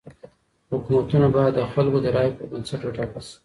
حکومتونه بايد د خلګو د رايو پر بنسټ وټاکل سي.